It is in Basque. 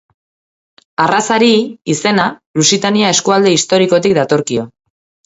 Arrazari izena Lusitania eskualde historikotik datorkio.